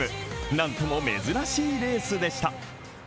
なんとも珍しいレースでした。